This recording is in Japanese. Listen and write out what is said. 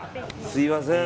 すみません